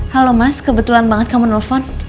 halo mas kebetulan banget kamu nelfon